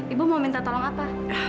ibu mau minta tolong apa